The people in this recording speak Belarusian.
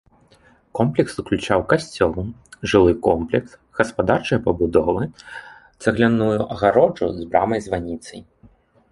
Комплекс уключаў касцёл, жылы комплекс, гаспадарчыя пабудовы, цагляную агароджу з брамай-званіцай.